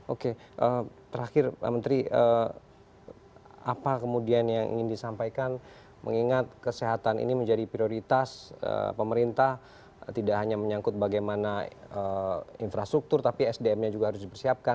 oke terakhir pak menteri apa kemudian yang ingin disampaikan mengingat kesehatan ini menjadi prioritas pemerintah tidak hanya menyangkut bagaimana infrastruktur tapi sdm nya juga harus dipersiapkan